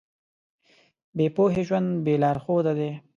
بې پوهې ژوند بې لارښوده دی.